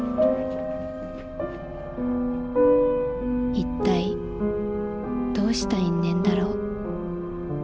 「一体どうした因縁だろう。